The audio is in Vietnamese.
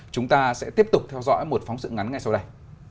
chúng ta sẽ tiếp tục theo dõi một phóng sự ngắn ngay sau đây